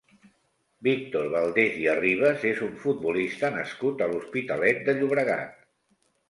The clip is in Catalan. Víctor Valdés i Arribas és un futbolista nascut a l'Hospitalet de Llobregat.